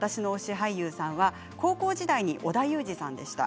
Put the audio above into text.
俳優さんは高校時代に織田裕二さんでした。